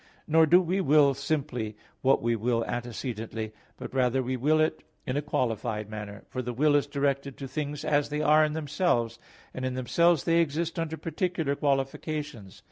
Nor do we will simply, what we will antecedently, but rather we will it in a qualified manner; for the will is directed to things as they are in themselves, and in themselves they exist under particular qualifications.